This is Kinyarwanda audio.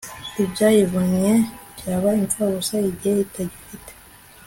ibyayivunnye byaba imfabusa igihe itagifite